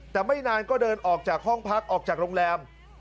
แต่ไม่นานก็เดินออกจากห้องพักออกจากโรงแรม